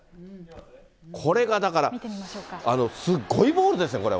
これがだから、すごいボールです